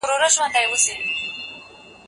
په دې اوږده سفر کې